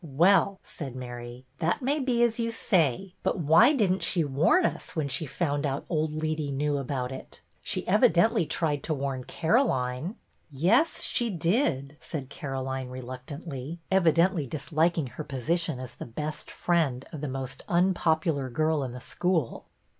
" Well," said Mary, " that may be as you say, but why did n't she warn us when she found old Leetey knew about it.? She evi dently tried to warn Caroline." "Yes, she did," said Caroline, reluctantly. 12 BETTY BAIRD 178 evidently disliking her position as the best friend of the most unpopular girl in the school.